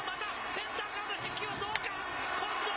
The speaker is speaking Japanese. センターからの返球はどうか。